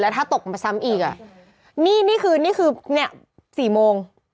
แล้วถ้าตกมาซ้ำอีกอะนี่คือนี่คือเนี่ย๔โมง